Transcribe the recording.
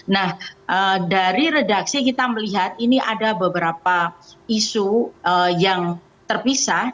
nah dari redaksi kita melihat ini ada beberapa isu yang terpisah